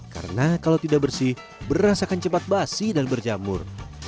karena kalau tidak bersih beras akan cepat basi dan berjamur